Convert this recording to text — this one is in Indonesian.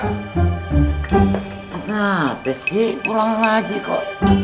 kenapa sih pulang lagi kok